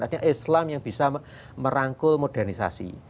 artinya islam yang bisa merangkul modernisasi